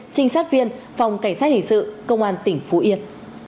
trinh sát viên phòng cảnh sát hình sự công an tỉnh phú yên